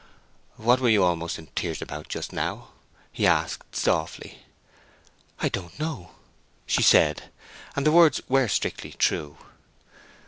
"What were you almost in tears about just now?" he asked, softly. "I don't know," she said: and the words were strictly true.